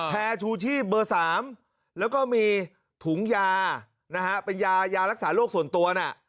แพร่ชูชีพเบอร์๓แล้วก็มีถุงยาเป็นยารักษาโลกส่วนตัวนะ